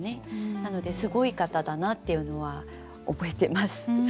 なのですごい方だなっていうのは覚えてます。